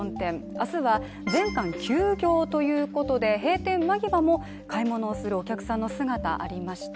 明日は全館休業ということで閉店間際も買い物をするお客さんの姿ありました。